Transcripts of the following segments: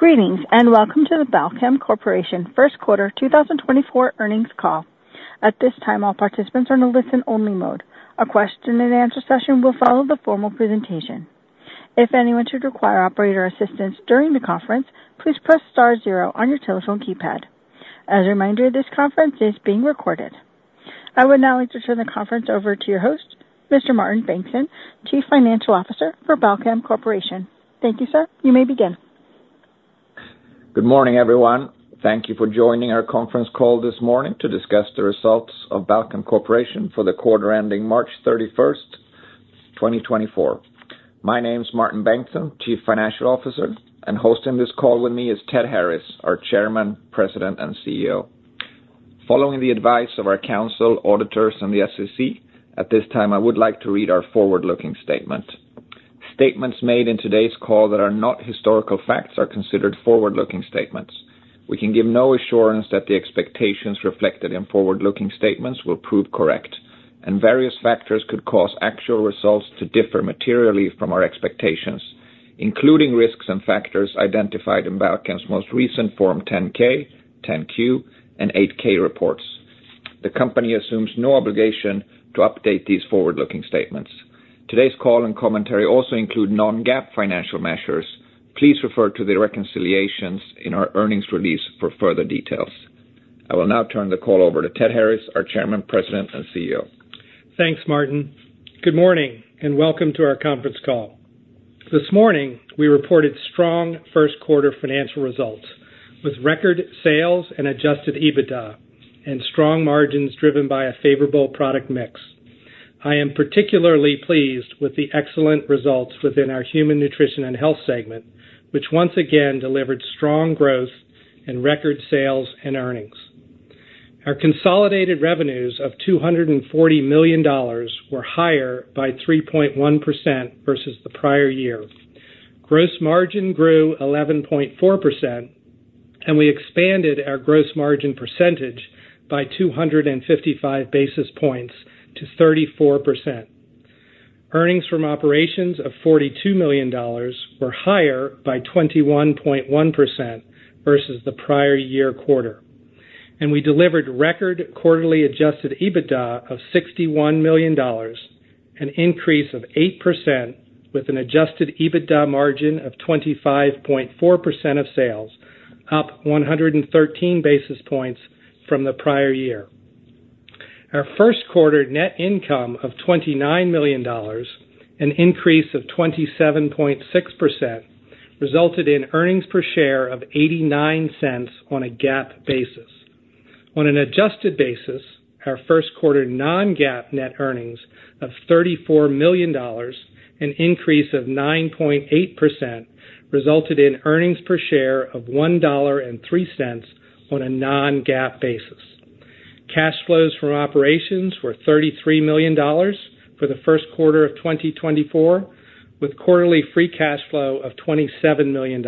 Greetings, and welcome to the Balchem Corporation Q1 2024 earnings call. At this time, all participants are in a listen-only mode. A question and answer session will follow the formal presentation. If anyone should require operator assistance during the conference, please press star zero on your telephone keypad. As a reminder, this conference is being recorded. I would now like to turn the conference over to your host, Mr. Martin Bengtsson, Chief Financial Officer for Balchem Corporation. Thank you, sir. You may begin. Good morning, everyone. Thank you for joining our conference call this morning to discuss the results of Balchem Corporation for the quarter ending 31 March, 2024. My name is Martin Bengtsson, Chief Financial Officer, and hosting this call with me is Ted Harris, our Chairman, President, and CEO. Following the advice of our counsel, auditors, and the SEC, at this time, I would like to read our forward-looking statement. Statements made in today's call that are not historical facts are considered forward-looking statements. We can give no assurance that the expectations reflected in forward-looking statements will prove correct, and various factors could cause actual results to differ materially from our expectations, including risks and factors identified in Balchem's most recent Form 10-K, 10-Q, and 8-K reports. The company assumes no obligation to update these forward-looking statements. Today's call and commentary also include non-GAAP financial measures. Please refer to the reconciliations in our earnings release for further details. I will now turn the call over to Ted Harris, our Chairman, President, and CEO. Thanks, Martin. Good morning, and welcome to our conference call. This morning, we reported strong Q1 financial results, with record sales and Adjusted EBITDA and strong margins driven by a favorable product mix. I am particularly pleased with the excellent results within our human nutrition and health segment, which once again delivered strong growth and record sales and earnings. Our consolidated revenues of $240 million were higher by 3.1% versus the prior year. Gross margin grew 11.4%, and we expanded our gross margin percentage by 255 basis points to 34%. Earnings from operations of $42 million were higher by 21.1% versus the prior year quarter, and we delivered record quarterly adjusted EBITDA of $61 million, an increase of 8%, with an adjusted EBITDA margin of 25.4% of sales, up 113 basis points from the prior year. Our Q1 net income of $29 million, an increase of 27.6%, resulted in earnings per share of $0.89 on a GAAP basis. On an adjusted basis, our Q1 non-GAAP net earnings of $34 million, an increase of 9.8%, resulted in earnings per share of $1.03 on a non-GAAP basis. Cash flows from operations were $33 million for the Q1 of 2024, with quarterly free cash flow of $27 million.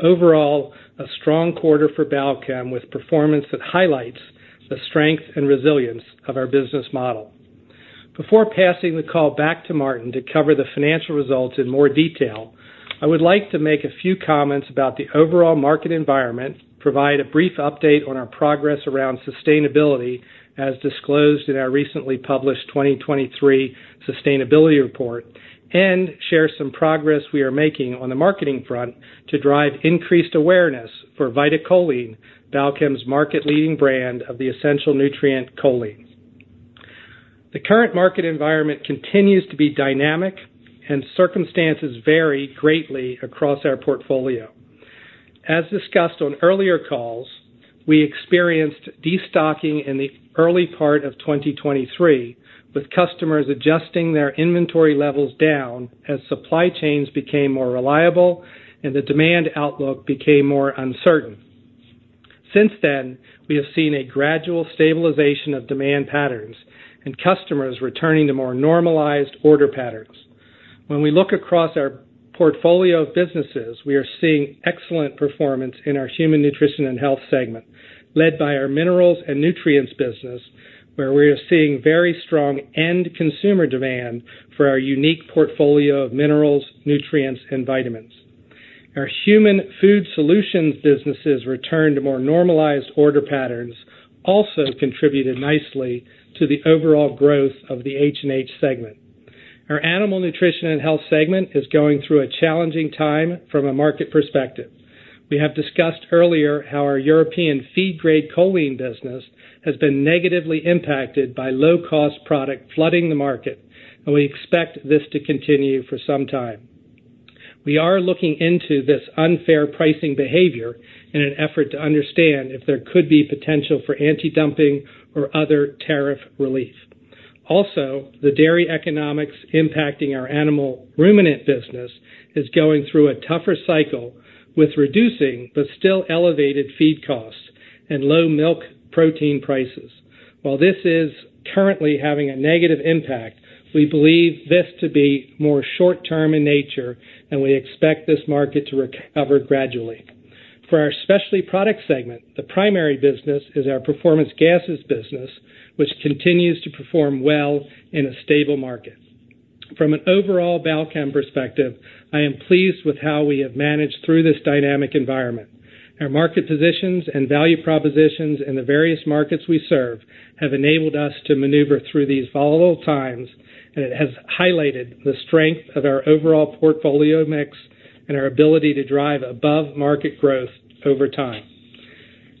Overall, a strong quarter for Balchem, with performance that highlights the strength and resilience of our business model. Before passing the call back to Martin to cover the financial results in more detail, I would like to make a few comments about the overall market environment, provide a brief update on our progress around sustainability, as disclosed in our recently published 2023 sustainability report, and share some progress we are making on the marketing front to drive increased awareness for VitaCholine, Balchem's market-leading brand of the essential nutrient choline. The current market environment continues to be dynamic and circumstances vary greatly across our portfolio. As discussed on earlier calls, we experienced destocking in the early part of 2023, with customers adjusting their inventory levels down as supply chains became more reliable and the demand outlook became more uncertain. Since then, we have seen a gradual stabilization of demand patterns and customers returning to more normalized order patterns. When we look across our portfolio of businesses, we are seeing excellent performance in our human nutrition and health segment, led by our minerals and nutrients business, where we are seeing very strong end consumer demand for our unique portfolio of minerals, nutrients, and vitamins. Our human food solutions businesses return to more normalized order patterns also contributed nicely to the overall growth of the H&H segment. Our animal nutrition and health segment is going through a challenging time from a market perspective. We have discussed earlier how our European feed-grade choline business has been negatively impacted by low-cost product flooding the market, and we expect this to continue for some time. We are looking into this unfair pricing behavior in an effort to understand if there could be potential for anti-dumping or other tariff relief. Also, the dairy economics impacting our animal ruminant business is going through a tougher cycle with reducing but still elevated feed costs and low milk protein prices. While this is currently having a negative impact, we believe this to be more short term in nature, and we expect this market to recover gradually. For our specialty product segment, the primary business is our performance gases business, which continues to perform well in a stable market.... From an overall Balchem perspective, I am pleased with how we have managed through this dynamic environment. Our market positions and value propositions in the various markets we serve have enabled us to maneuver through these volatile times, and it has highlighted the strength of our overall portfolio mix and our ability to drive above-market growth over time.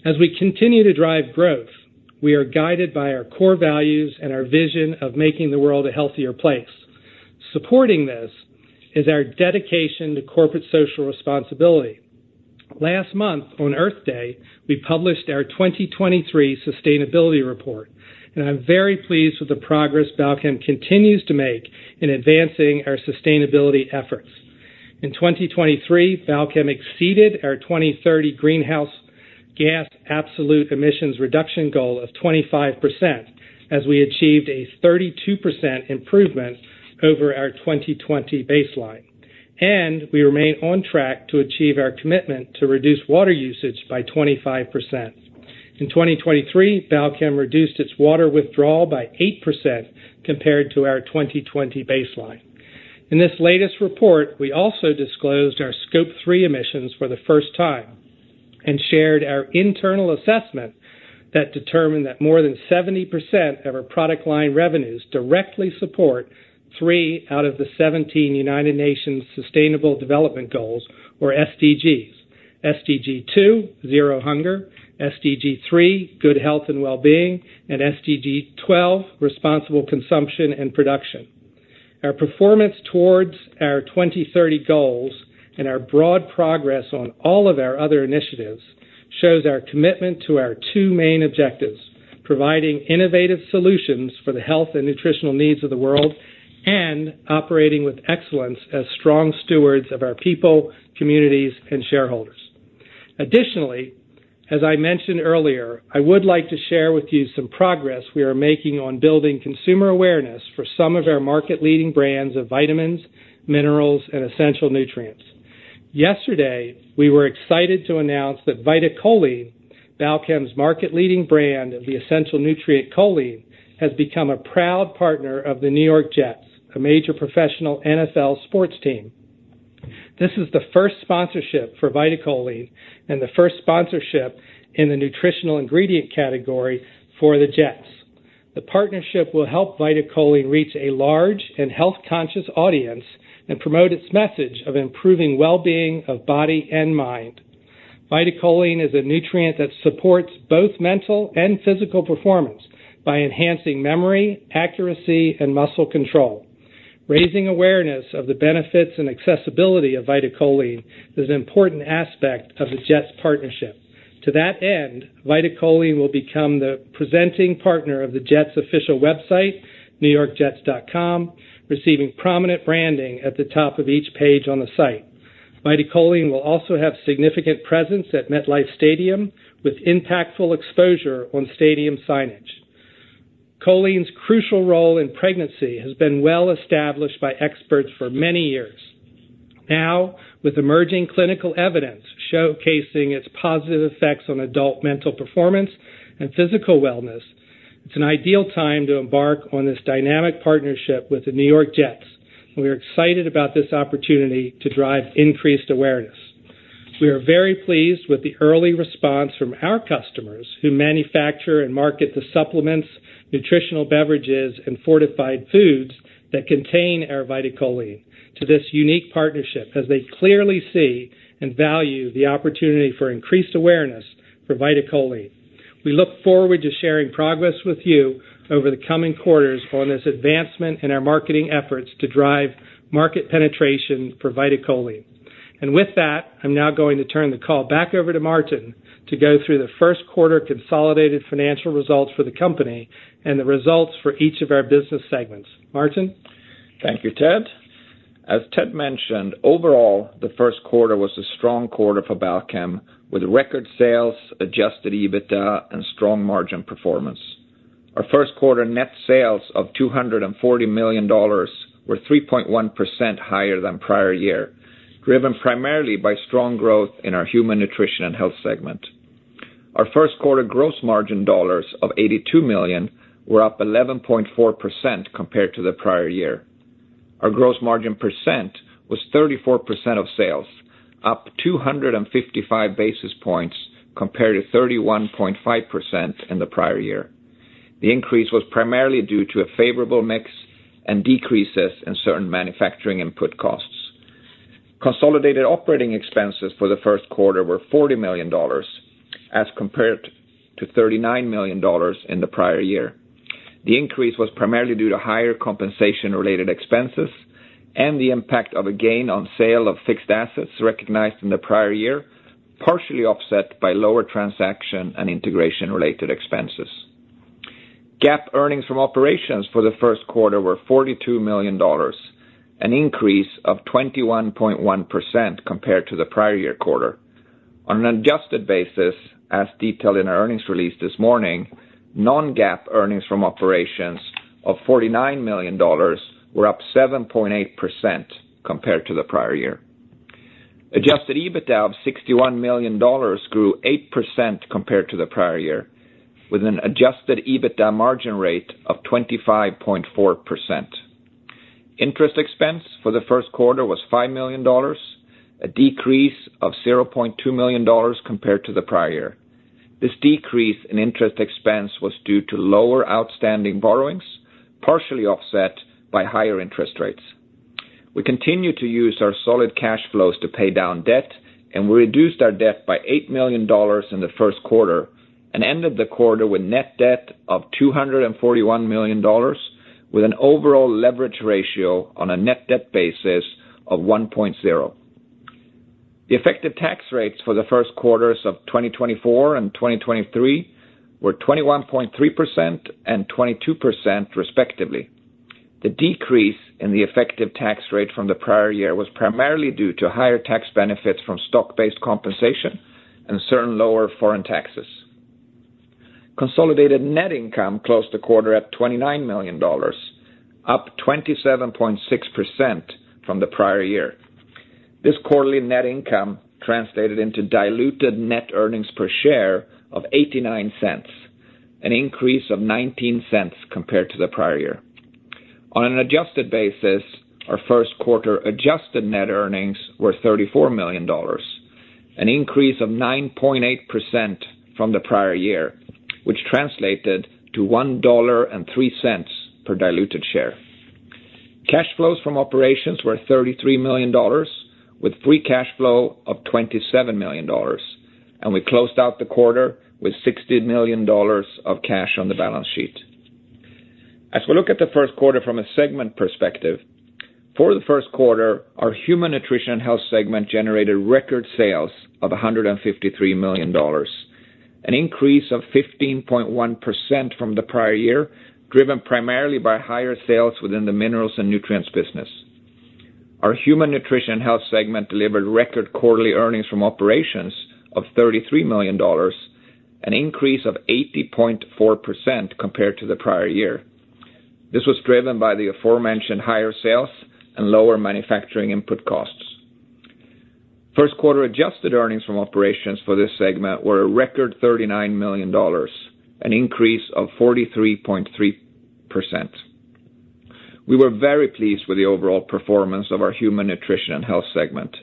As we continue to drive growth, we are guided by our core values and our vision of making the world a healthier place. Supporting this is our dedication to corporate social responsibility. Last month, on Earth Day, we published our 2023 sustainability report, and I'm very pleased with the progress Balchem continues to make in advancing our sustainability efforts. In 2023, Balchem exceeded our 2030 greenhouse gas absolute emissions reduction goal of 25%, as we achieved a 32% improvement over our 2020 baseline, and we remain on track to achieve our commitment to reduce water usage by 25%. In 2023, Balchem reduced its water withdrawal by 8% compared to our 2020 baseline. In this latest report, we also disclosed our Scope 3 emissions for the first time and shared our internal assessment that determined that more than 70% of our product line revenues directly support 3 out of the 17 United Nations Sustainable Development Goals, or SDGs. SDG 2, Zero Hunger, SDG 3, Good Health and Wellbeing, and SDG 12, Responsible Consumption and Production. Our performance towards our 2030 goals and our broad progress on all of our other initiatives shows our commitment to our two main objectives: providing innovative solutions for the health and nutritional needs of the world, and operating with excellence as strong stewards of our people, communities, and shareholders. Additionally, as I mentioned earlier, I would like to share with you some progress we are making on building consumer awareness for some of our market-leading brands of vitamins, minerals, and essential nutrients. Yesterday, we were excited to announce that VitaCholine, Balchem's market-leading brand of the essential nutrient choline, has become a proud partner of the New York Jets, a major professional NFL sports team. This is the first sponsorship for VitaCholine and the first sponsorship in the nutritional ingredient category for the Jets. The partnership will help VitaCholine reach a large and health-conscious audience and promote its message of improving well-being of body and mind. VitaCholine is a nutrient that supports both mental and physical performance by enhancing memory, accuracy, and muscle control. Raising awareness of the benefits and accessibility of VitaCholine is an important aspect of the Jets partnership. To that end, VitaCholine will become the presenting partner of the Jets' official website, newyorkjets.com, receiving prominent branding at the top of each page on the site. VitaCholine will also have significant presence at MetLife Stadium, with impactful exposure on stadium signage. Choline's crucial role in pregnancy has been well established by experts for many years. Now, with emerging clinical evidence showcasing its positive effects on adult mental performance and physical wellness, it's an ideal time to embark on this dynamic partnership with the New York Jets. We are excited about this opportunity to drive increased awareness. We are very pleased with the early response from our customers who manufacture and market the supplements, nutritional beverages, and fortified foods that contain our VitaCholine to this unique partnership, as they clearly see and value the opportunity for increased awareness for VitaCholine. We look forward to sharing progress with you over the coming quarters on this advancement in our marketing efforts to drive market penetration for VitaCholine. With that, I'm now going to turn the call back over to Martin to go through the Q1 consolidated financial results for the company and the results for each of our business segments. Martin? Thank you, Ted. As Ted mentioned, overall, the Q1 was a strong quarter for Balchem, with record sales, adjusted EBITDA, and strong margin performance. Our Q1 net sales of $240 million were 3.1% higher than prior year, driven primarily by strong growth in our human nutrition and health segment. Our Q1 gross margin dollars of $82 million were up 11.4% compared to the prior year. Our gross margin percent was 34% of sales, up 255 basis points compared to 31.5% in the prior year. The increase was primarily due to a favorable mix and decreases in certain manufacturing input costs. Consolidated operating expenses for the Q1 were $40 million, as compared to $39 million in the prior year. The increase was primarily due to higher compensation-related expenses and the impact of a gain on sale of fixed assets recognized in the prior year, partially offset by lower transaction and integration-related expenses. GAAP earnings from operations for the Q1 were $42 million, an increase of 21.1% compared to the prior year quarter. On an adjusted basis, as detailed in our earnings release this morning, non-GAAP earnings from operations of $49 million were up 7.8% compared to the prior year. Adjusted EBITDA of $61 million grew 8% compared to the prior year, with an adjusted EBITDA margin rate of 25.4%. Interest expense for the Q1 was $5 million, a decrease of $0.2 million compared to the prior year. This decrease in interest expense was due to lower outstanding borrowings, partially offset by higher interest rates. We continue to use our solid cash flows to pay down debt, and we reduced our debt by $8 million in the Q1 and ended the quarter with net debt of $241 million, with an overall leverage ratio on a net debt basis of 1.0. The effective tax rates for the Q1s of 2024 and 2023 were 21.3% and 22%, respectively. The decrease in the effective tax rate from the prior year was primarily due to higher tax benefits from stock-based compensation and certain lower foreign taxes. Consolidated net income closed the quarter at $29 million, up 27.6% from the prior year. This quarterly net income translated into diluted net earnings per share of $0.89, an increase of $0.19 compared to the prior year. On an adjusted basis, our Q1 adjusted net earnings were $34 million, an increase of 9.8% from the prior year, which translated to $1.03 per diluted share. Cash flows from operations were $33 million, with free cash flow of $27 million, and we closed out the quarter with $60 million of cash on the balance sheet. As we look at the Q1 from a segment perspective, for the Q1, our human nutrition and health segment generated record sales of $153 million, an increase of 15.1% from the prior year, driven primarily by higher sales within the minerals and nutrients business. Our human nutrition and health segment delivered record quarterly earnings from operations of $33 million, an increase of 80.4% compared to the prior year. This was driven by the aforementioned higher sales and lower manufacturing input costs. Q1 adjusted earnings from operations for this segment were a record $39 million, an increase of 43.3%. We were very pleased with the overall performance of our human nutrition and health segment,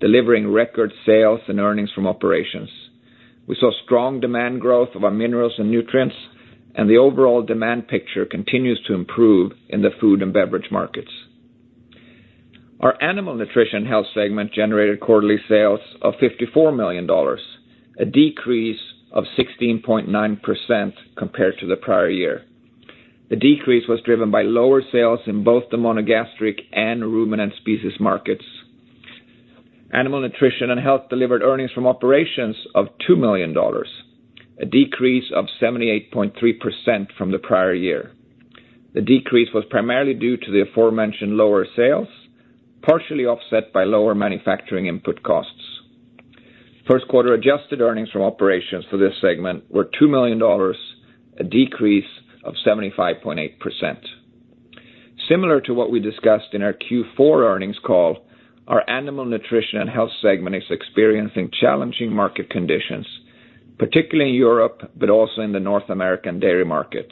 delivering record sales and earnings from operations. We saw strong demand growth of our minerals and nutrients, and the overall demand picture continues to improve in the food and beverage markets. Our animal nutrition health segment generated quarterly sales of $54 million, a decrease of 16.9% compared to the prior year. The decrease was driven by lower sales in both the monogastric and ruminant species markets. Animal nutrition and health delivered earnings from operations of $2 million, a decrease of 78.3% from the prior year. The decrease was primarily due to the aforementioned lower sales, partially offset by lower manufacturing input costs. Q1 adjusted earnings from operations for this segment were $2 million, a decrease of 75.8%. Similar to what we discussed in our Q4 earnings call, our animal nutrition and health segment is experiencing challenging market conditions, particularly in Europe, but also in the North American dairy market.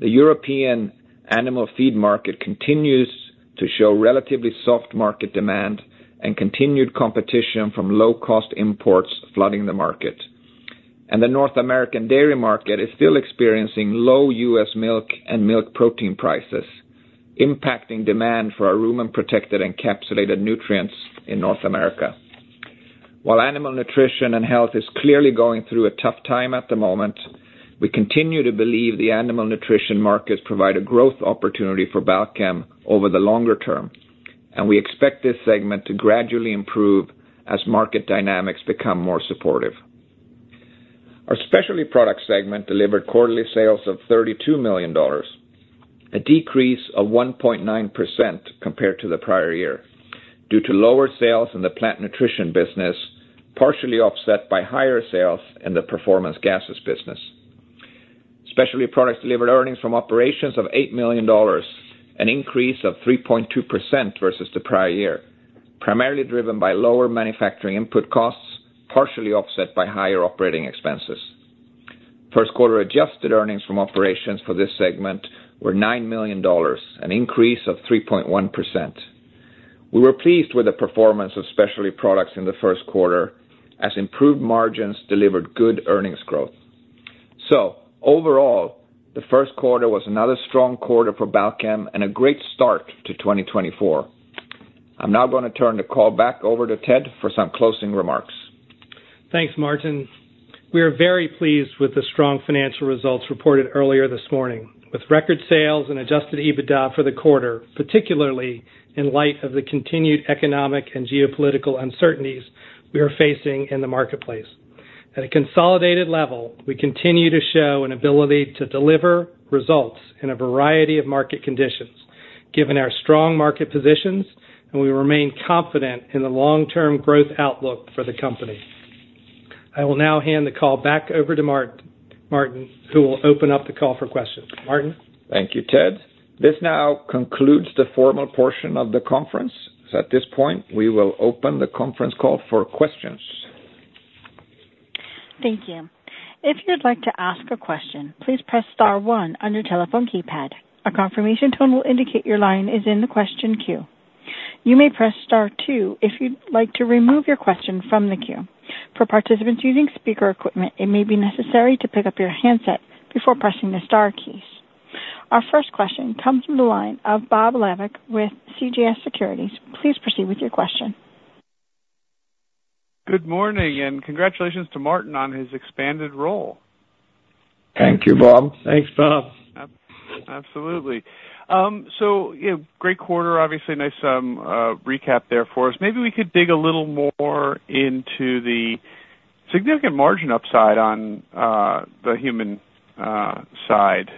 The European animal feed market continues to show relatively soft market demand and continued competition from low-cost imports flooding the market. The North American dairy market is still experiencing low U.S. milk and milk protein prices, impacting demand for our rumen-protected encapsulated nutrients in North America. While animal nutrition and health is clearly going through a tough time at the moment, we continue to believe the animal nutrition markets provide a growth opportunity for Balchem over the longer term, and we expect this segment to gradually improve as market dynamics become more supportive. Our specialty product segment delivered quarterly sales of $32 million, a decrease of 1.9% compared to the prior year, due to lower sales in the plant nutrition business, partially offset by higher sales in the performance gases business. Specialty products delivered earnings from operations of $8 million, an increase of 3.2% versus the prior year, primarily driven by lower manufacturing input costs, partially offset by higher operating expenses. Q1 adjusted earnings from operations for this segment were $9 million, an increase of 3.1%. We were pleased with the performance of specialty products in the Q1, as improved margins delivered good earnings growth. Overall, the Q1 was another strong quarter for Balchem and a great start to 2024. I'm now going to turn the call back over to Ted for some closing remarks. Thanks, Martin. We are very pleased with the strong financial results reported earlier this morning, with record sales and Adjusted EBITDA for the quarter, particularly in light of the continued economic and geopolitical uncertainties we are facing in the marketplace. At a consolidated level, we continue to show an ability to deliver results in a variety of market conditions, given our strong market positions, and we remain confident in the long-term growth outlook for the company. I will now hand the call back over to Martin, Martin, who will open up the call for questions. Martin? Thank you, Ted. This now concludes the formal portion of the conference. At this point, we will open the conference call for questions. Thank you. If you'd like to ask a question, please press * 1 on your telephone keypad. A confirmation tone will indicate your line is in the question queue. You may press * 2 if you'd like to remove your question from the queue. For participants using speaker equipment, it may be necessary to pick up your handset before pressing the star keys. Our first question comes from the line of Bob Levick with CJS Securities. Please proceed with your question. Good morning, and congratulations to Martin on his expanded role. Thank you, Bob. Thanks, Bob. Absolutely. So, you know, great quarter, obviously, nice recap there for us. Maybe we could dig a little more into the significant margin upside on the human side.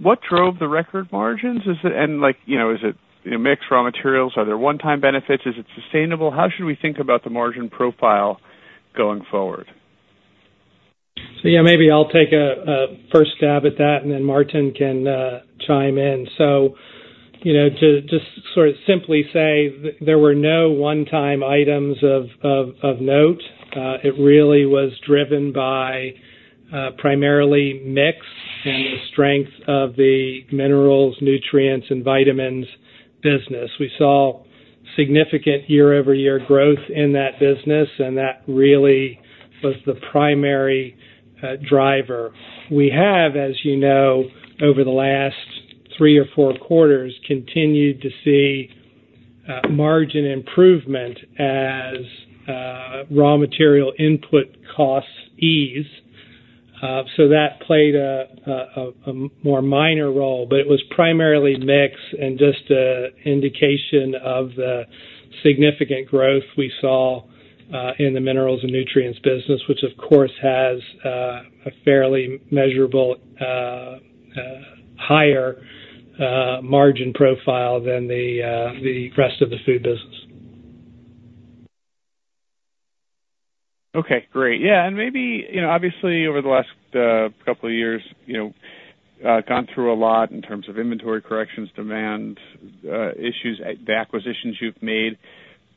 What drove the record margins? Is it and, like, you know, is it, you know, mix raw materials? Are there one-time benefits? Is it sustainable? How should we think about the margin profile going forward? So, yeah, maybe I'll take a first stab at that, and then Martin can chime in. So, you know, to just sort of simply say there were no one-time items of note. It really was driven by primarily mix and the strength of the minerals, nutrients, and vitamins business. We saw significant year-over-year growth in that business, and that really was the primary driver. We have, as you know, over the last three or four quarters, continued to see margin improvement as raw material input costs ease. So that played a more minor role, but it was primarily mix and just an indication of the significant growth we saw in the minerals and nutrients business, which, of course, has a fairly measurable higher margin profile than the rest of the food business. Okay, great. Yeah, and maybe, you know, obviously, over the last, couple of years, you know, gone through a lot in terms of inventory corrections, demand, issues, the acquisitions you've made.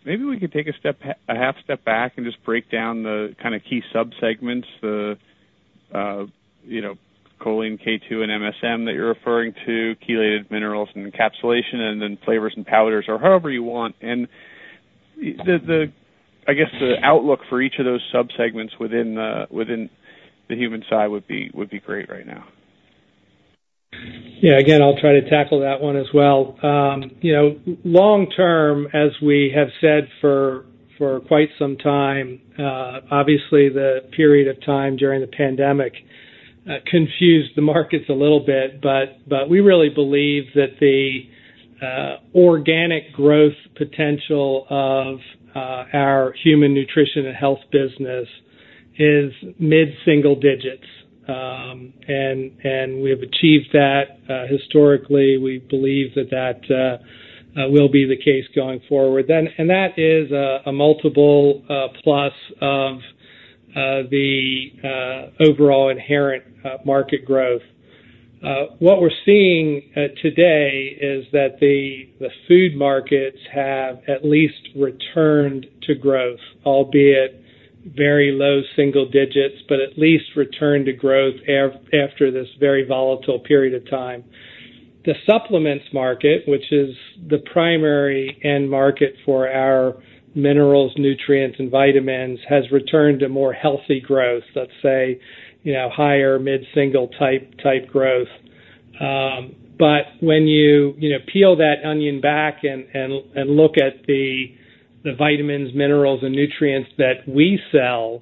Maybe we could take a step, a half step back and just break down the kind of key subsegments, the, you know, choline, K2, and MSM, that you're referring to, chelated minerals and encapsulation, and then flavors and powders or however you want. And the, the, I guess, the outlook for each of those subsegments within the, within the human side would be, would be great right now. Yeah, again, I'll try to tackle that one as well. You know, long term, as we have said for quite some time, obviously, the period of time during the pandemic confused the markets a little bit, but we really believe that the organic growth potential of our human nutrition and health business is mid-single digits. And we have achieved that historically. We believe that that will be the case going forward. Then, and that is a multiple plus of the overall inherent market growth. What we're seeing today is that the food markets have at least returned to growth, albeit very low single digits, but at least returned to growth after this very volatile period of time. The supplements market, which is the primary end market for our minerals, nutrients, and vitamins, has returned to more healthy growth, let's say, you know, higher mid-single type growth. But when you, you know, peel that onion back and look at the vitamins, minerals, and nutrients that we sell,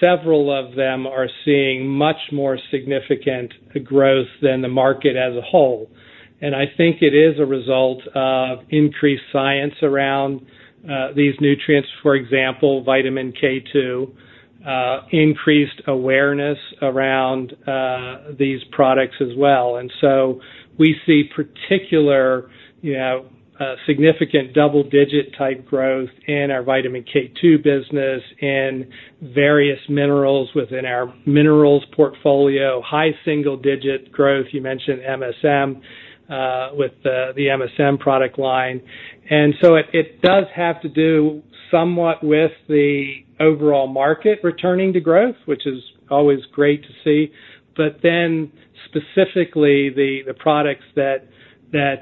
several of them are seeing much more significant growth than the market as a whole. And I think it is a result of increased science around these nutrients, for example, Vitamin K2, increased awareness around these products as well. And so we see particular, you know, significant double-digit type growth in our Vitamin K2 business, in various minerals within our minerals portfolio, high single-digit growth. You mentioned MSM, with the MSM product line. And so it does have to do somewhat with the overall market returning to growth, which is always great to see. But then, specifically, the products that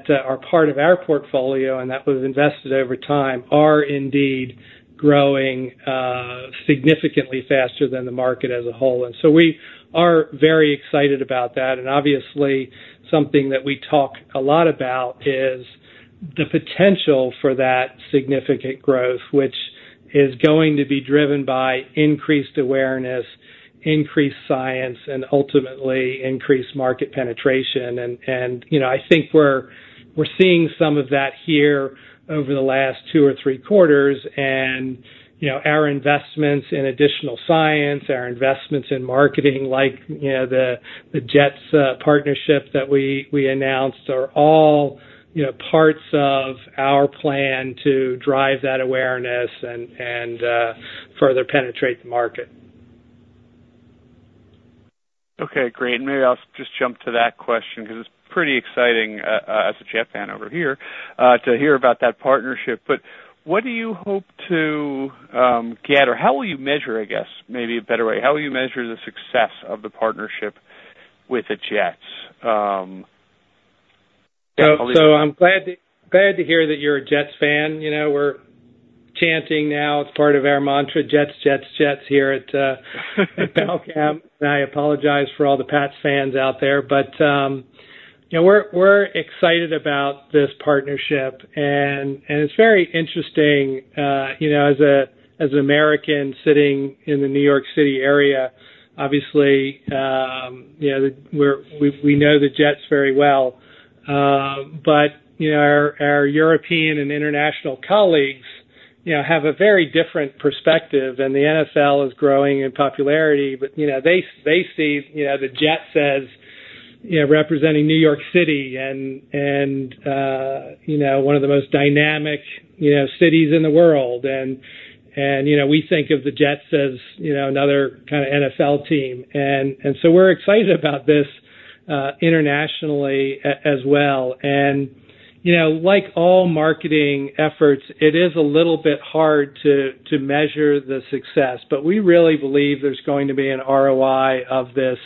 are part of our portfolio and that was invested over time are indeed growing significantly faster than the market as a whole. And so we are very excited about that. And obviously, something that we talk a lot about is the potential for that significant growth, which is going to be driven by increased awareness, increased science, and ultimately increased market penetration. And you know, I think we're seeing some of that here over the last two or three quarters. You know, our investments in additional science, our investments in marketing, like, you know, the Jets partnership that we announced, are all, you know, parts of our plan to drive that awareness and further penetrate the market. Okay, great. And maybe I'll just jump to that question because it's pretty exciting, as a Jets fan over here, to hear about that partnership. But what do you hope to get, or how will you measure, I guess, maybe a better way, how will you measure the success of the partnership with the Jets? So, I'm glad to hear that you're a Jets fan. You know, we're chanting now. It's part of our mantra, Jets, Jets, Jets here at Balchem, and I apologize for all the Pats fans out there, but you know, we're excited about this partnership, and it's very interesting, you know, as an American, sitting in the New York City area, obviously, you know, we know the Jets very well. But you know, our European and international colleagues, you know, have a very different perspective, and the NFL is growing in popularity, but you know, they see the Jets as representing New York City and you know, one of the most dynamic cities in the world. You know, we think of the Jets as, you know, another kind of NFL team. So we're excited about this internationally as well. And, you know, like all marketing efforts, it is a little bit hard to measure the success, but we really believe there's going to be an ROI of this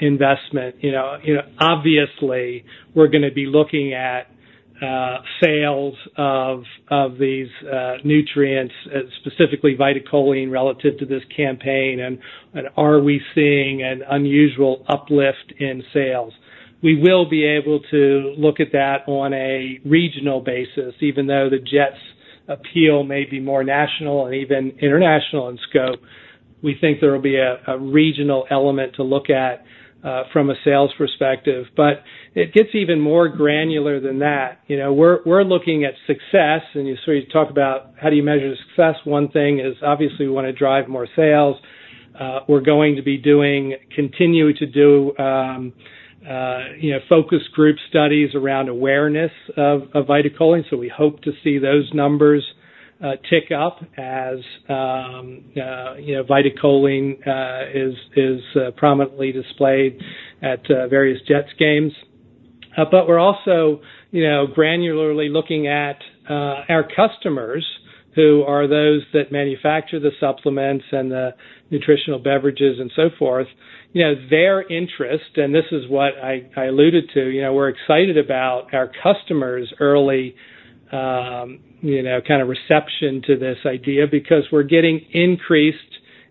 investment. You know, obviously, we're gonna be looking at sales of these nutrients, specifically VitaCholine, relative to this campaign, and are we seeing an unusual uplift in sales? We will be able to look at that on a regional basis, even though the Jets' appeal may be more national and even international in scope. We think there will be a regional element to look at from a sales perspective, but it gets even more granular than that. You know, we're looking at success, and you sort of talk about how do you measure success? One thing is, obviously, we want to drive more sales. We're going to be doing continue to do, you know, focus group studies around awareness of VitaCholine. So we hope to see those numbers tick up as, you know, VitaCholine is prominently displayed at various Jets games. But we're also, you know, granularly looking at our customers, who are those that manufacture the supplements and the nutritional beverages and so forth. You know, their interest, and this is what I, I alluded to, you know, we're excited about our customers' early, you know, kind of reception to this idea because we're getting increased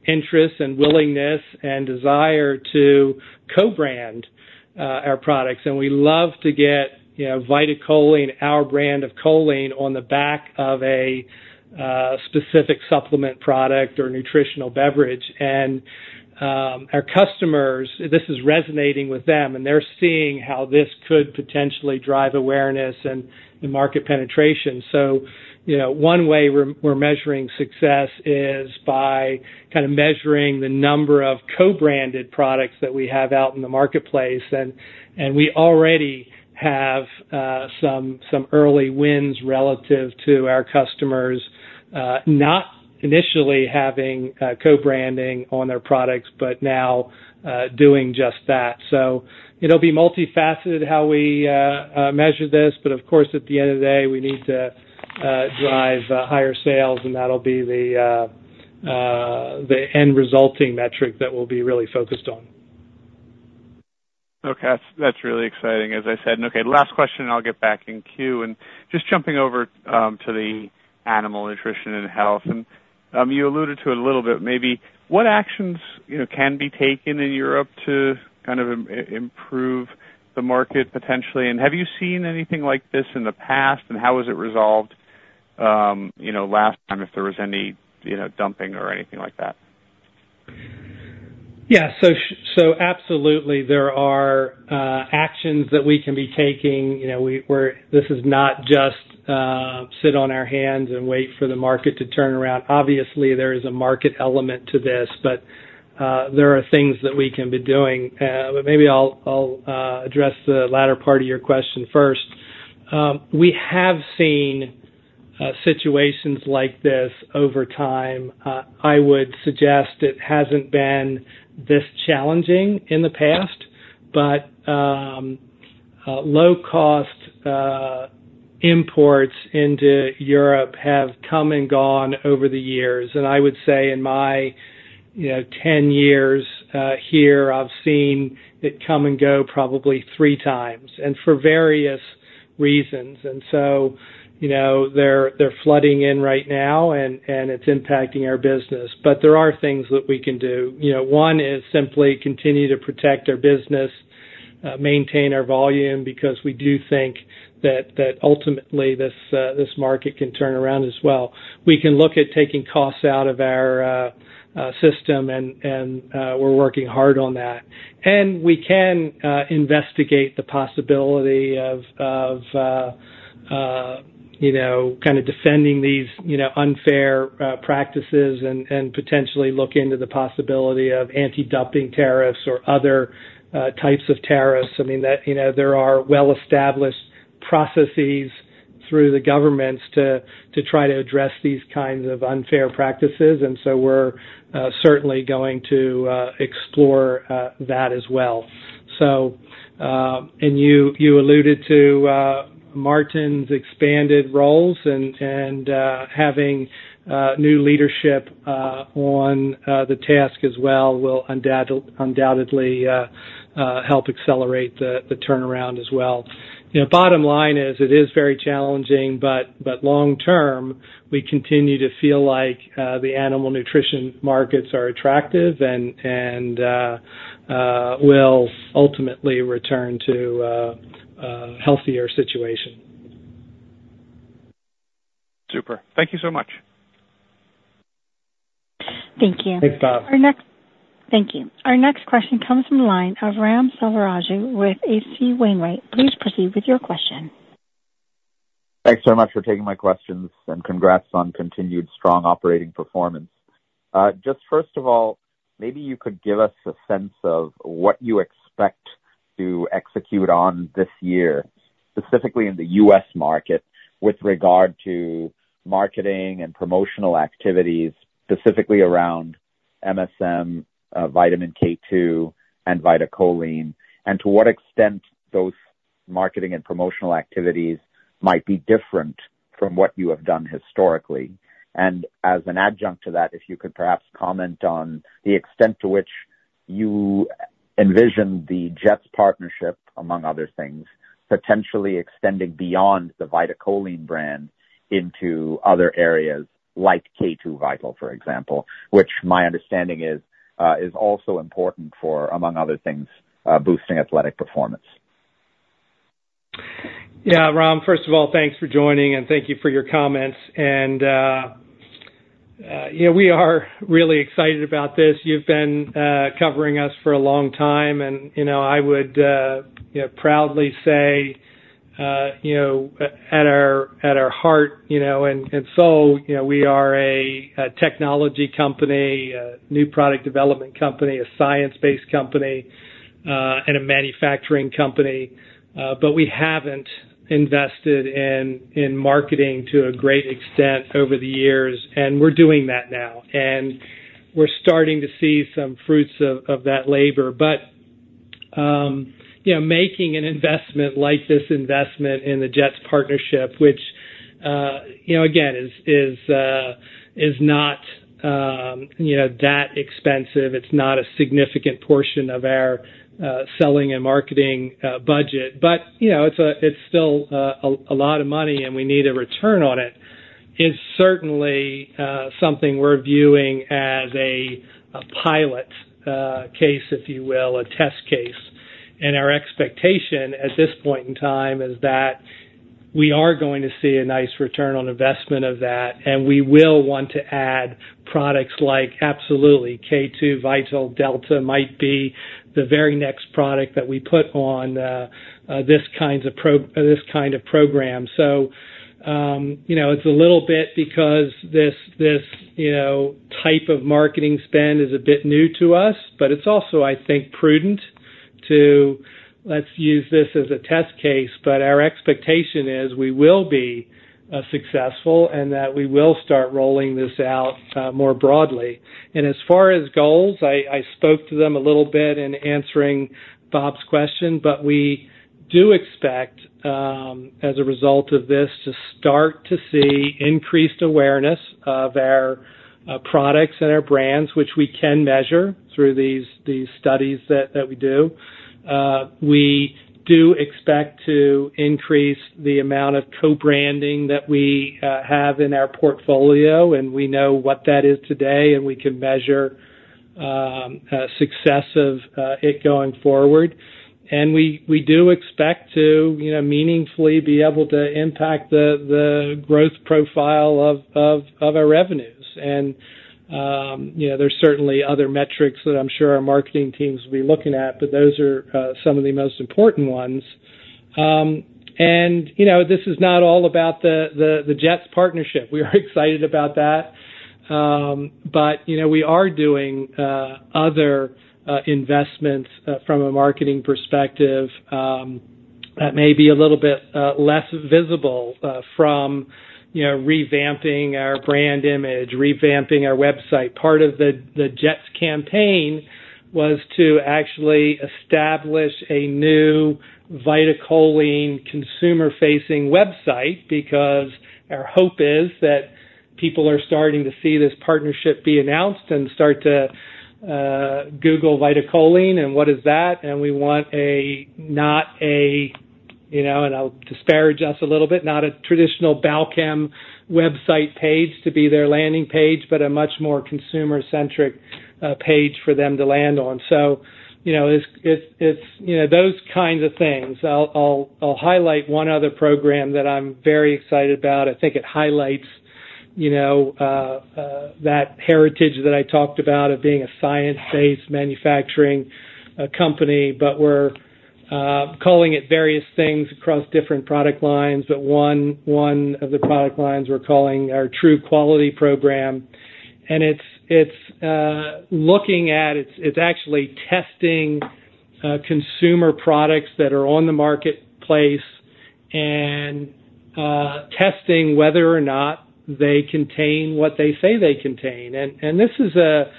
interest and willingness and desire to co-brand, our products, and we love to get, you know, VitaCholine, our brand of choline, on the back of a, specific supplement product or nutritional beverage. And, our customers, this is resonating with them, and they're seeing how this could potentially drive awareness and the market penetration. So, you know, one way we're, we're measuring success is by kind of measuring the number of co-branded products that we have out in the marketplace. And, and we already have, some, some early wins relative to our customers, not initially having, co-branding on their products, but now, doing just that. So it'll be multifaceted, how we measure this, but of course, at the end of the day, we need to drive higher sales, and that'll be the the end resulting metric that we'll be really focused on. Okay. That's really exciting, as I said. Okay, last question, and I'll get back in queue. And just jumping over to the animal nutrition and health, and you alluded to it a little bit, maybe what actions, you know, can be taken in Europe to kind of improve the market potentially? And have you seen anything like this in the past, and how was it resolved, you know, last time, if there was any, you know, dumping or anything like that? Yeah, so absolutely there are actions that we can be taking. You know, we're not just sit on our hands and wait for the market to turn around. Obviously, there is a market element to this, but there are things that we can be doing. But maybe I'll address the latter part of your question first. We have seen situations like this over time. I would suggest it hasn't been this challenging in the past, but low cost imports into Europe have come and gone over the years. And I would say in my, you know, 10 years here, I've seen it come and go probably 3x, and for various reasons. And so, you know, they're flooding in right now, and it's impacting our business. But there are things that we can do. You know, one is simply continue to protect our business, maintain our volume, because we do think that ultimately this market can turn around as well. We can look at taking costs out of our system, and we're working hard on that. And we can investigate the possibility of you know kind of defending these you know unfair practices and potentially look into the possibility of anti-dumping tariffs or other types of tariffs. I mean, you know, there are well-established processes through the governments to try to address these kinds of unfair practices, and so we're certainly going to explore that as well. So, and you alluded to Martin's expanded roles and having new leadership on the task as well will undoubtedly help accelerate the turnaround as well. You know, bottom line is, it is very challenging, but long term, we continue to feel like the animal nutrition markets are attractive and will ultimately return to a healthier situation. Super. Thank you so much. Thank you. Thanks, Bob. Our next - thank you. Our next question comes from the line of Ram Selvaraju with H.C. Wainwright & Co. Please proceed with your question. Thanks so much for taking my questions, and congrats on continued strong operating performance. Just first of all, maybe you could give us a sense of what you expect to execute on this year, specifically in the U.S. market, with regard to marketing and promotional activities, specifically around MSM, Vitamin K2, and VitaCholine, and to what extent those marketing and promotional activities might be different from what you have done historically. And as an adjunct to that, if you could perhaps comment on the extent to which you envision the Jets partnership, among other things, potentially extending beyond the VitaCholine brand into other areas like K2VITAL, for example, which my understanding is, is also important for, among other things, boosting athletic performance. Yeah, Ram, first of all, thanks for joining, and thank you for your comments. And, you know, we are really excited about this. You've been covering us for a long time, and, you know, I would proudly say, you know, at our heart, you know, and so, you know, we are a technology company, a new product development company, a science-based company, and a manufacturing company. But we haven't invested in marketing to a great extent over the years, and we're doing that now. And we're starting to see some fruits of that labor. But, you know, making an investment like this investment in the Jets partnership, which, you know, again, is not, you know, that expensive. It's not a significant portion of our selling and marketing budget. But, you know, it's a—it's still a lot of money, and we need a return on it. It is certainly something we're viewing as a pilot case, if you will, a test case. And our expectation at this point in time is that we are going to see a nice return on investment of that, and we will want to add products like, absolutely, K2VITAL Delta might be the very next product that we put on this kind of program. So, you know, it's a little bit because this, this, you know, type of marketing spend is a bit new to us, but it's also, I think, prudent, too. Let's use this as a test case. But our expectation is we will be successful and that we will start rolling this out more broadly. And as far as goals, I spoke to them a little bit in answering Bob's question, but we do expect, as a result of this, to start to see increased awareness of our products and our brands, which we can measure through these studies that we do. We do expect to increase the amount of co-branding that we have in our portfolio, and we know what that is today, and we can measure success of it going forward. And we do expect to, you know, meaningfully be able to impact the growth profile of our revenues. You know, there's certainly other metrics that I'm sure our marketing teams will be looking at, but those are some of the most important ones. And, you know, this is not all about the Jets partnership. We are excited about that. But, you know, we are doing other investments from a marketing perspective that may be a little bit less visible from, you know, revamping our brand image, revamping our website. Part of the Jets campaign was to actually establish a new VitaCholine consumer-facing website, because our hope is that people are starting to see this partnership be announced and start to google VitaCholine and what is that, and we want a, not a, you know, and I'll disparage us a little bit, not a traditional Balchem website page to be their landing page, but a much more consumer-centric page for them to land on. So, you know, it's those kinds of things. I'll highlight one other program that I'm very excited about. I think it highlights, you know, that heritage that I talked about of being a science-based manufacturing company, but we're calling it various things across different product lines. But one of the product lines we're calling our True Quality program. And it's actually testing consumer products that are on the marketplace and testing whether or not they contain what they say they contain. And this is a,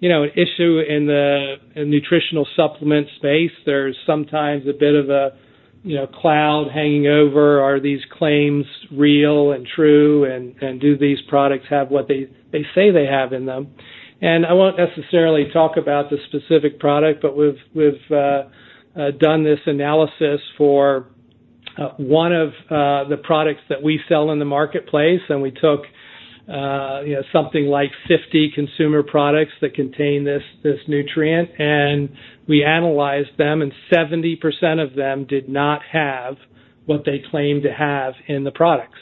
you know, issue in the nutritional supplement space. There's sometimes a bit of a, you know, cloud hanging over. Are these claims real and true, and do these products have what they say they have in them? And I won't necessarily talk about the specific product, but we've done this analysis for one of the products that we sell in the marketplace, and we took, you know, something like 50 consumer products that contain this nutrient, and we analyzed them, and 70% of them did not have what they claimed to have in the products.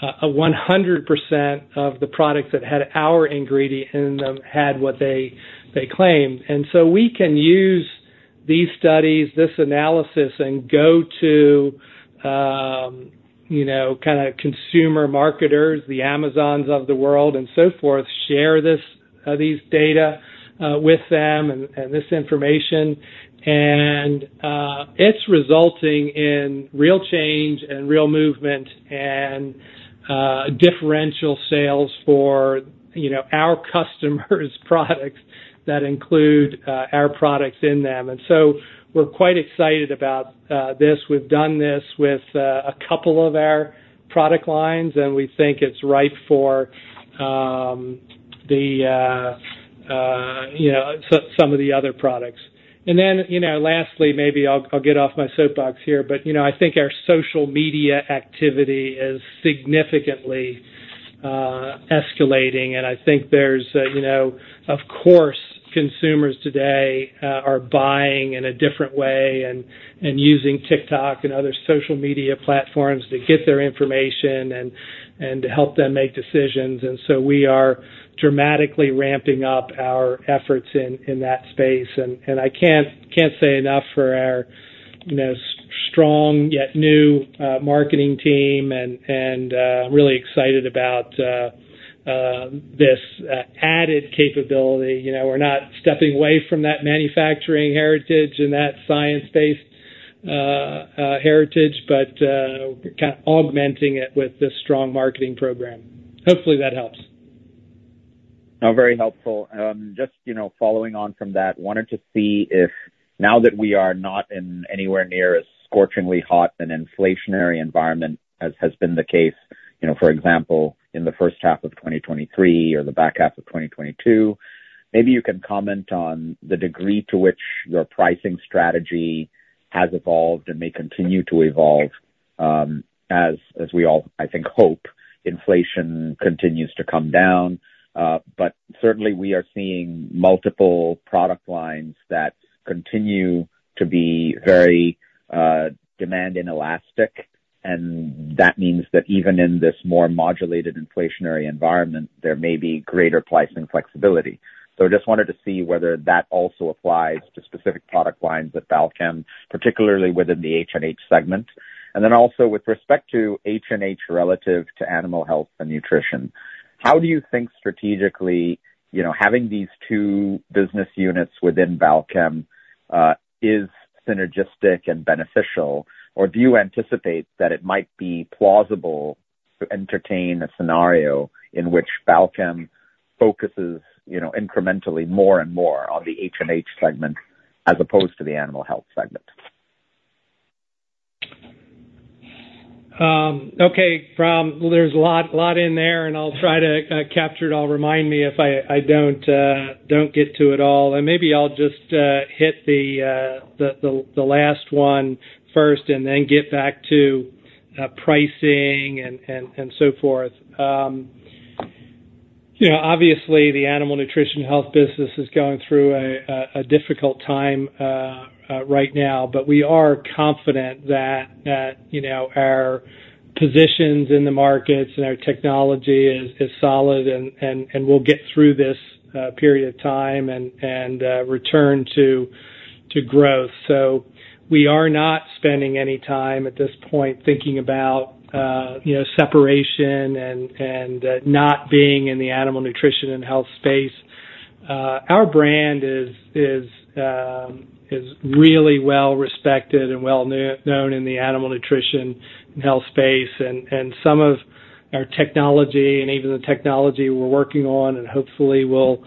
A 100% of the products that had our ingredient in them had what they, they claimed. And so we can use these studies, this analysis, and go to, you know, kind of consumer marketers, the Amazons of the world and so forth, share this, these data, with them and, and this information. And, it's resulting in real change and real movement and, differential sales for, you know, our customers' products that include, our products in them. And so we're quite excited about, this. We've done this with, a couple of our product lines, and we think it's right for, you know, some of the other products. And then, you know, lastly, maybe I'll get off my soapbox here, but, you know, I think our social media activity is significantly escalating, and I think there's, you know, of course, consumers today are buying in a different way and using TikTok and other social media platforms to get their information and to help them make decisions. And so we are dramatically ramping up our efforts in that space. And I can't say enough for our, you know, strong, yet new marketing team and really excited about this added capability. You know, we're not stepping away from that manufacturing heritage and that science-based heritage, but kind of augmenting it with this strong marketing program. Hopefully, that helps. No, very helpful. Just, you know, following on from that, wanted to see if now that we are not in anywhere near as scorchingly hot an inflationary environment as has been the case, you know, for example, in the first half of 2023 or the back half of 2022, maybe you can comment on the degree to which your pricing strategy has evolved and may continue to evolve, as, as we all, I think, hope inflation continues to come down. But certainly we are seeing multiple product lines that continue to be very demand inelastic, and that means that even in this more modulated inflationary environment, there may be greater pricing flexibility. So just wanted to see whether that also applies to specific product lines at Balchem, particularly within the H&H segment. Then also, with respect to H&H relative to animal health and nutrition, how do you think strategically, you know, having these two business units within Balchem, is synergistic and beneficial? Or do you anticipate that it might be plausible to entertain a scenario in which Balchem focuses, you know, incrementally more and more on the H&H segment, as opposed to the animal health segment? Okay, Ram, there's a lot, a lot in there, and I'll try to capture it all. Remind me if I don't get to it all. Maybe I'll just hit the last one first and then get back to pricing and so forth. You know, obviously, the animal nutrition health business is going through a difficult time right now, but we are confident that, you know, our positions in the markets and our technology is solid and we'll get through this period of time and return to growth. So we are not spending any time at this point thinking about, you know, separation and not being in the animal nutrition and health space. Our brand is really well respected and well-known in the animal nutrition and health space. And some of our technology and even the technology we're working on and hopefully will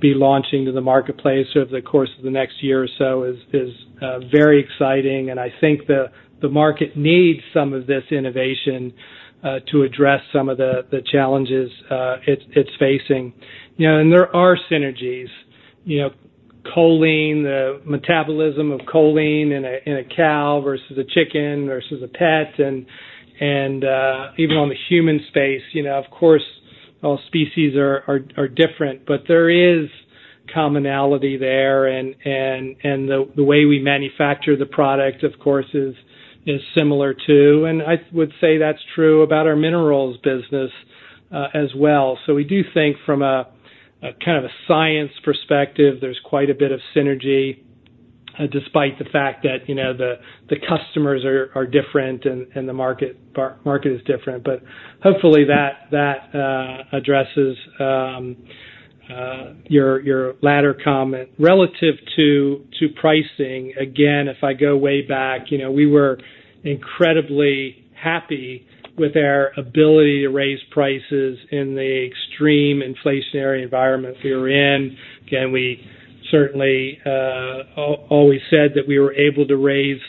be launching to the marketplace over the course of the next year or so is very exciting, and I think the market needs some of this innovation to address some of the challenges it's facing. You know, and there are synergies, you know, choline, the metabolism of choline in a cow versus a chicken versus a pet, and even on the human space, you know, of course, all species are different, but there is commonality there. And the way we manufacture the product, of course, is similar, too. And I would say that's true about our minerals business, as well. So we do think from a kind of science perspective, there's quite a bit of synergy, despite the fact that, you know, the customers are different and the market is different. But hopefully that addresses your latter comment. Relative to pricing, again, if I go way back, you know, we were incredibly happy with our ability to raise prices in the extreme inflationary environment we were in. Again, we certainly always said that we were able to raise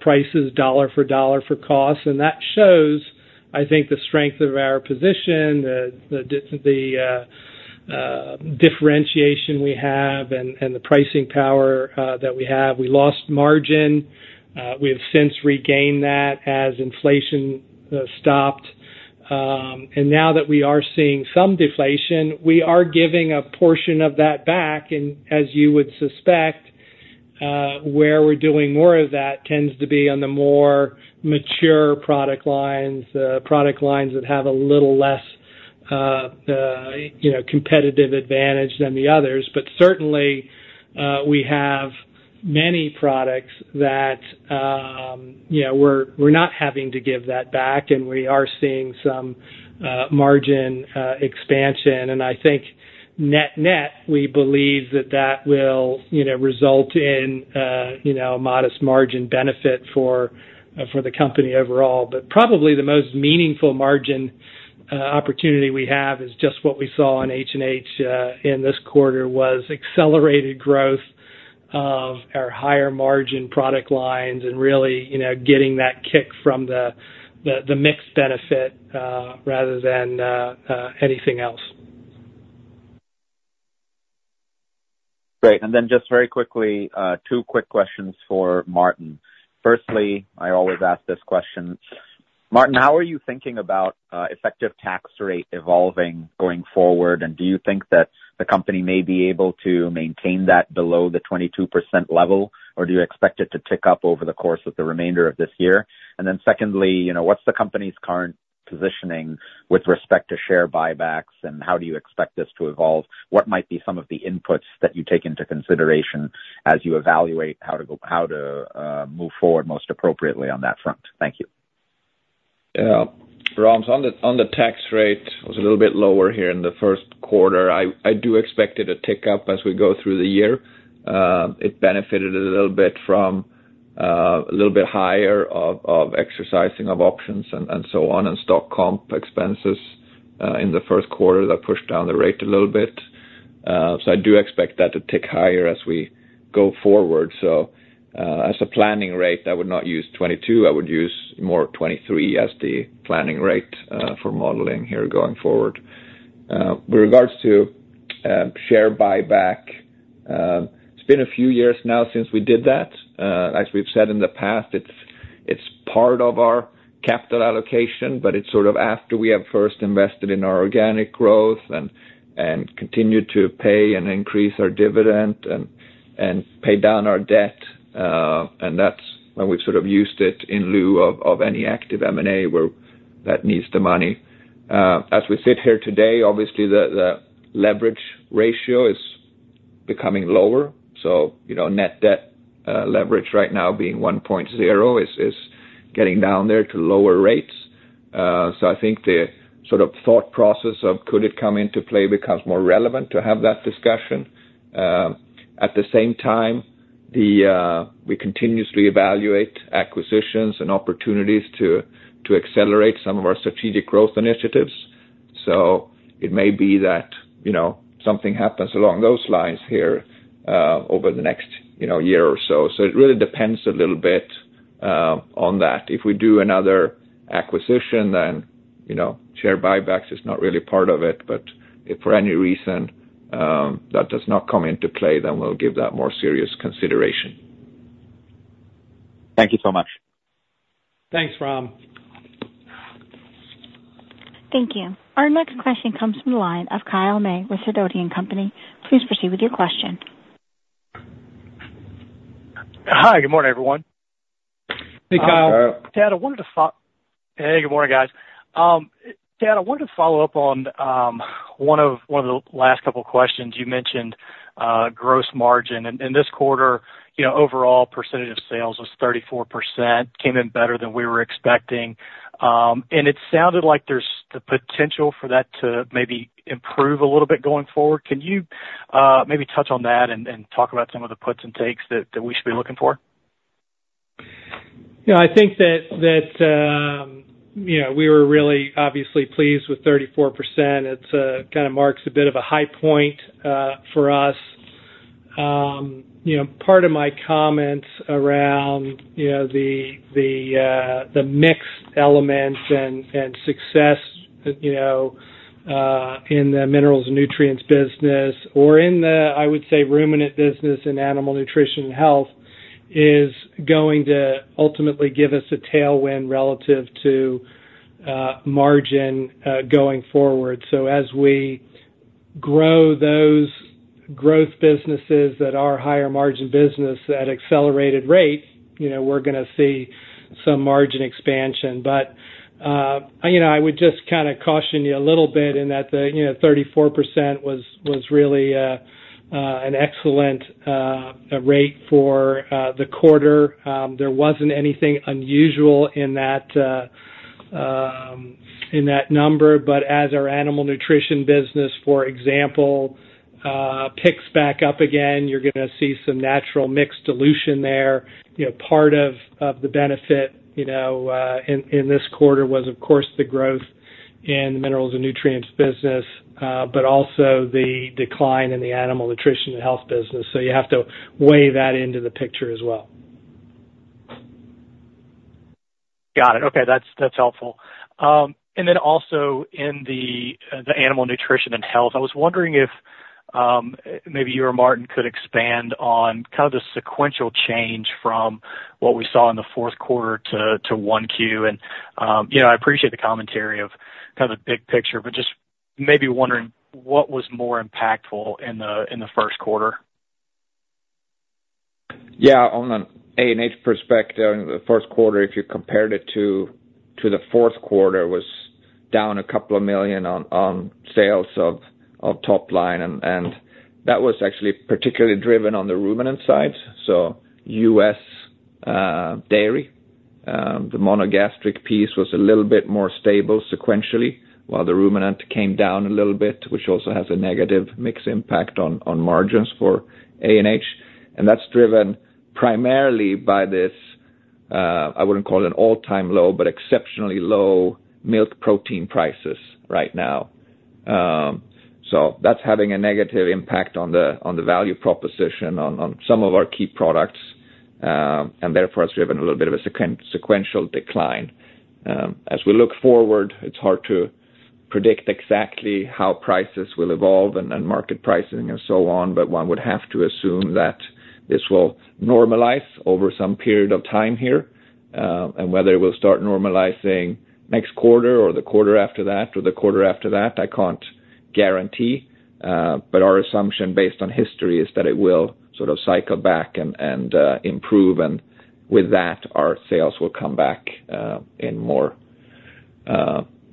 prices dollar for dollar for costs, and that shows, I think, the strength of our position, the differentiation we have and the pricing power that we have. We lost margin. We have since regained that as inflation stopped. And now that we are seeing some deflation, we are giving a portion of that back, and as you would suspect, where we're doing more of that tends to be on the more mature product lines, product lines that have a little less, you know, competitive advantage than the others. But certainly, we have many products that, you know, we're not having to give that back, and we are seeing some margin expansion. And I think net-net, we believe that that will, you know, result in, you know, a modest margin benefit for the company overall. But probably the most meaningful margin opportunity we have is just what we saw in H&H in this quarter, was accelerated growth of our higher margin product lines and really, you know, getting that kick from the mix benefit rather than anything else. Great. And then just very quickly, two quick questions for Martin. Firstly, I always ask this question: Martin, how are you thinking about effective tax rate evolving going forward? And do you think that the company may be able to maintain that below the 22% level, or do you expect it to tick up over the course of the remainder of this year? And then secondly, you know, what's the company's current positioning with respect to share buybacks, and how do you expect this to evolve? What might be some of the inputs that you take into consideration as you evaluate how to move forward most appropriately on that front? Thank you. Yeah. Ram, on the tax rate, it was a little bit lower here in the Q1. I do expect it to tick up as we go through the year. It benefited a little bit from a little bit higher exercising of options and so on, and stock comp expenses in the Q1 that pushed down the rate a little bit. So I do expect that to tick higher as we go forward. So, as a planning rate, I would not use 22%, I would use more of 23% as the planning rate for modeling here going forward. With regards to share buyback, it's been a few years now since we did that. As we've said in the past, it's part of our capital allocation, but it's sort of after we have first invested in our organic growth and continued to pay and increase our dividend and pay down our debt, and that's when we've sort of used it in lieu of any active M&A where that needs the money. As we sit here today, obviously, the leverage ratio is becoming lower, so, you know, net debt leverage right now being 1.0 is getting down there to lower rates. So I think the sort of thought process of could it come into play becomes more relevant to have that discussion. At the same time, we continuously evaluate acquisitions and opportunities to accelerate some of our strategic growth initiatives. So it may be that, you know, something happens along those lines here, over the next, you know, year or so. So it really depends a little bit, on that. If we do another acquisition, then, you know, share buybacks is not really part of it. But if for any reason, that does not come into play, then we'll give that more serious consideration. Thank you so much. Thanks, Ram. Thank you. Our next question comes from the line of Kyle May Sidoti & Co. please proceed with your question. Hi, good morning, everyone. Hey, Kyle. Kyle. Ted, I wanted to - hey, good morning, guys. Ted, I wanted to follow up on one of the last couple questions. You mentioned gross margin. And this quarter, you know, overall percentage of sales was 34%, came in better than we were expecting. And it sounded like there's the potential for that to maybe improve a little bit going forward. Can you maybe touch on that and talk about some of the puts and takes that we should be looking for? Yeah, I think that, you know, we were really obviously pleased with 34%. It kind of marks a bit of a high point for us. You know, part of my comments around, you know, the mix elements and success, you know, in the minerals and nutrients business or in the, I would say, ruminant business and animal nutrition and health, is going to ultimately give us a tailwind relative to margin going forward. So as we grow those growth businesses that are higher margin business at accelerated rate, you know, we're gonna see some margin expansion. But, you know, I would just kind of caution you a little bit in that the, you know, 34% was really an excellent rate for the quarter. There wasn't anything unusual in that number. But as our animal nutrition business, for example, picks back up again, you're gonna see some natural mix dilution there. You know, part of the benefit, you know, in this quarter was, of course, the growth in the minerals and nutrients business, but also the decline in the animal nutrition and health business. So you have to weigh that into the picture as well. Got it. Okay, that's helpful. And then also in the animal nutrition and health, I was wondering if maybe you or Martin could expand on kind of the sequential change from what we saw in the Q4 to 1Q. And you know, I appreciate the commentary of kind of the big picture, but just maybe wondering what was more impactful in the Q1? Yeah, on an ANH perspective, the Q1, if you compared it to the Q4, was down a couple of million on sales of top line. And that was actually particularly driven on the ruminant side. So U.S. dairy, the monogastric piece was a little bit more stable sequentially, while the ruminant came down a little bit, which also has a negative mix impact on margins for ANH. And that's driven primarily by this, I wouldn't call it an all-time low, but exceptionally low milk protein prices right now. So that's having a negative impact on the value proposition on some of our key products, and therefore, it's driven a little bit of a sequential decline. As we look forward, it's hard to predict exactly how prices will evolve and market pricing and so on, but one would have to assume that this will normalize over some period of time here. And whether it will start normalizing next quarter or the quarter after that or the quarter after that, I can't guarantee. But our assumption, based on history, is that it will sort of cycle back and improve, and with that, our sales will come back in more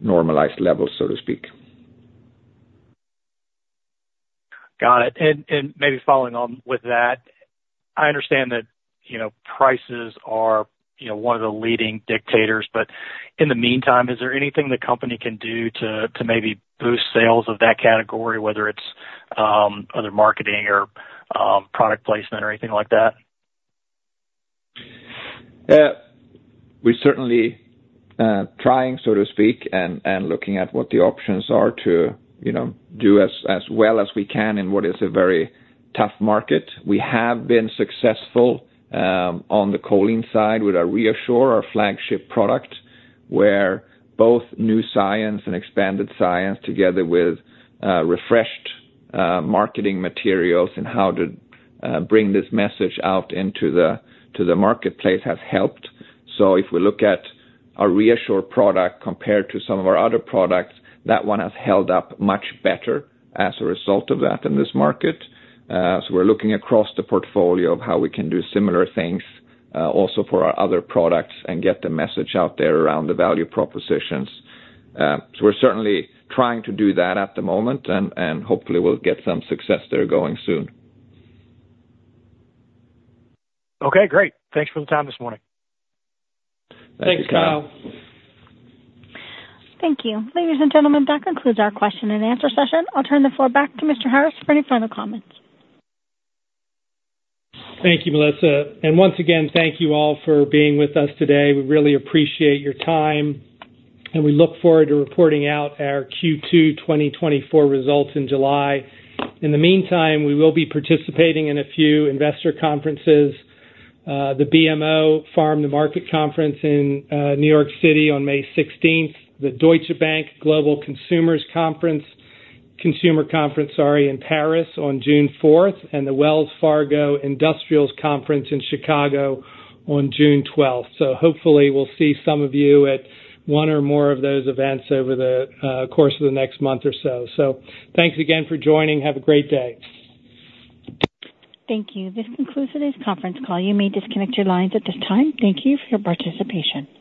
normalized levels, so to speak. Got it. And, and maybe following on with that, I understand that, you know, prices are, you know, one of the leading dictators, but in the meantime, is there anything the company can do to, to maybe boost sales of that category, whether it's, other marketing or, product placement or anything like that? We're certainly trying, so to speak, and looking at what the options are to, you know, do as well as we can in what is a very tough market. We have been successful on the choline side with our ReaShure, our flagship product, where both new science and expanded science, together with refreshed marketing materials and how to bring this message out into the marketplace, have helped. So if we look at our ReaShure product compared to some of our other products, that one has held up much better as a result of that in this market. So we're looking across the portfolio of how we can do similar things also for our other products and get the message out there around the value propositions. So we're certainly trying to do that at the moment, and hopefully we'll get some success there going soon. Okay, great. Thanks for the time this morning. Thanks, Kyle. Thanks, Kyle. Thank you. Ladies and gentlemen, that concludes our question and answer session. I'll turn the floor back to Mr. Harris for any final comments. Thank you, Melissa. And once again, thank you all for being with us today. We really appreciate your time, and we look forward to reporting out our Q2 2024 results in July. In the meantime, we will be participating in a few investor conferences, the BMO Farm to Market Conference in New York City on 16 May, the Deutsche Bank Global Consumer Conference, sorry, in Paris on 4 June, and the Wells Fargo Industrials Conference in Chicago on 12 June. So hopefully we'll see some of you at one or more of those events over the course of the next month or so. So thanks again for joining. Have a great day. Thank you. This concludes today's conference call. You may disconnect your lines at this time. Thank you for your participation.